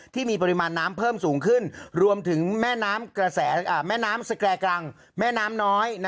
ที่มีปริมาณน้ำเพิ่มสูงขึ้นรวมถึงแม่น้ำสแกรกรังแม่น้ำน้อย